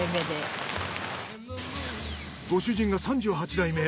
ご主人が３８代目！